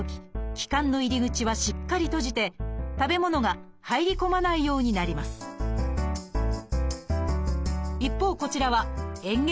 気管の入り口はしっかり閉じて食べ物が入り込まないようになります一方こちらはえん下